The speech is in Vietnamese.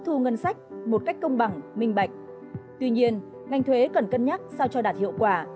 thu ngân sách một cách công bằng minh bạch tuy nhiên ngành thuế cần cân nhắc sao cho đạt hiệu quả